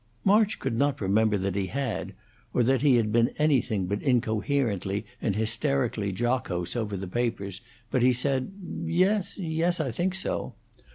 March could not remember that he had, or that he had been anything but incoherently and hysterically jocose over the papers, but he said, "Yes, yes I think so."